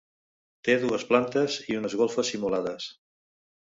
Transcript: Té dues plantes i unes golfes simulades.